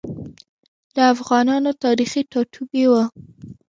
د افغانانو تاریخي ټاټوبی و.